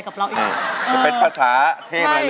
กำนัมสไตล์